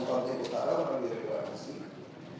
yang diperkenalkan oleh masyarakat yang diperkenalkan oleh masyarakat